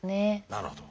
なるほど。